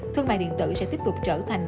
thương mại điện tử sẽ tiếp tục trở thành